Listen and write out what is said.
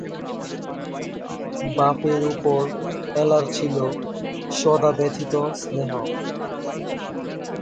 বাপের উপর এলার ছিল সদাব্যথিত স্নেহ।